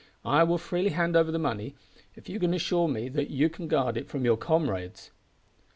I will freely hand over the money if you can assure me that you can guard it from your comrades."